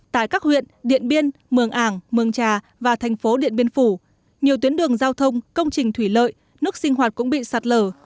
tại các huyện điện biên mường ảng mường trà và thành phố điện biên phủ nhiều tuyến đường giao thông công trình thủy lợi nước sinh hoạt cũng bị sạt lở